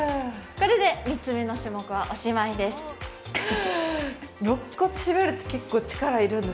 これで３つ目の種目はおしまいです